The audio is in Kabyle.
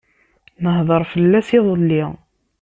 Nehder fell-as iḍelli.